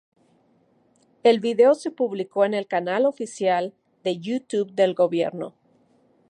El video se publicó en el canal oficial de YouTube del gobierno.